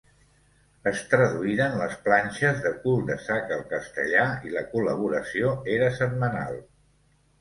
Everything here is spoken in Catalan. Es traduïren les planxes de Cul de sac al castellà i la col·laboració era setmanal.